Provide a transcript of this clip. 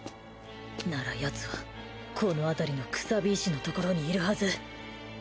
ならやつはこのあたりのクサビ石のところにいるはず